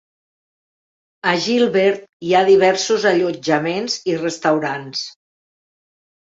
A Gilbert hi ha diversos allotjaments i restaurants.